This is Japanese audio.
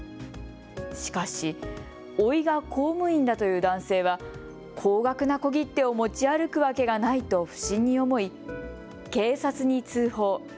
しかし、おいが公務員だという男性は、高額な小切手を持ち歩くわけがないと不審に思い警察に通報。